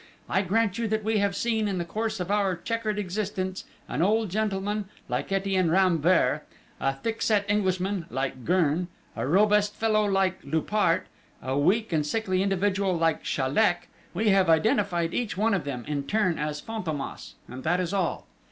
"I grant you that we have seen, in the course of our chequered existence, an old gentleman, like Etienne Rambert, a thickset Englishman like Gurn, a robust fellow like Loupart, a weak and sickly individual like Chaleck. We have identified each one of them, in turn, as Fantômas and that is all.